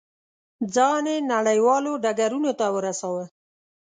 ځان یې نړیوالو ډګرونو ته ورساوه.